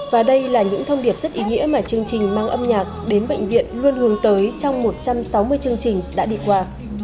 và đây là những thông điệp rất ý nghĩa mà chương trình mang âm nhạc đến bệnh viện luôn hướng tới trong một trăm sáu mươi chương trình đã đi qua